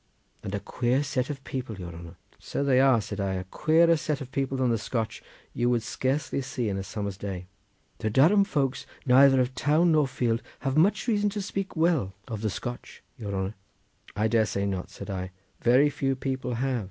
"And a queer set of people, your honour." "So they are," said I; "a queerer set of people than the Scotch you would scarcely see in a summer's day." "The Durham folks, neither of town or field, have much reason to speak well of the Scotch, your honour." "I dare say not," said I; "very few people have."